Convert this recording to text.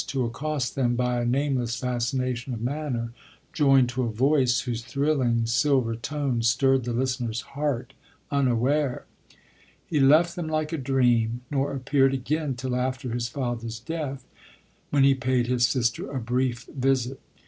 7 to accost them, by a nameless fascination of manner, joined to a voice whose thrilling silwr tones stirred the listener's heart unaware. He • left them like a dream, nor appeared again till after his father's death, when he paid his sister a brief visit.